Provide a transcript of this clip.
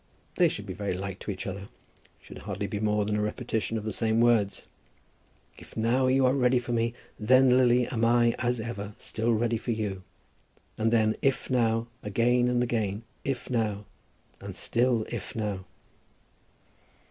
They should be very like to each other, should hardly be more than a repetition of the same words. "If now you are ready for me, then, Lily, am I, as ever, still ready for you." And then "if now" again, and again "if now; and still if now."